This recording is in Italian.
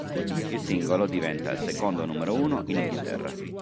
Il singolo diventa il secondo numero uno in Inghilterra.